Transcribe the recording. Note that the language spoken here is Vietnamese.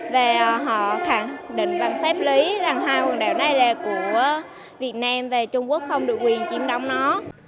và họ khẳng định lần phép lý rằng hai quần đảo này là của việt nam và trung quốc không được quyền chiếm đóng nó